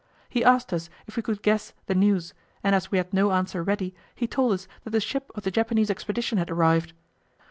He asked us if we could guess the news, and as we had no answer ready, he told us that the ship of the Japanese expedition had arrived.